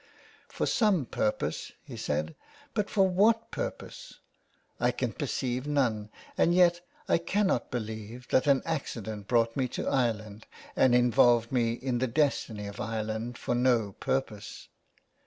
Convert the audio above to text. " For some pur pose," he said. *' But for what purpose ? I can perceive none, and yet I cannot believe that an accident brought me to Ireland and involved me in the destiny of Ireland for no purpose.'